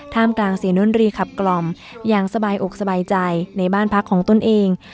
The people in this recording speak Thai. กลางเสียงดนตรีขับกล่อมอย่างสบายอกสบายใจในบ้านพักของตนเอง